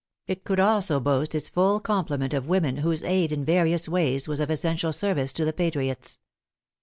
It could also boast its full complement of women whose aid in various ways was of essential service to the patriots.